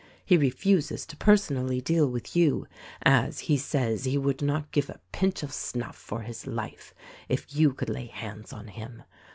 He refuses to personally deal with you, as he says he would not give a pinch of snuff" for his life if you could lay hands on him.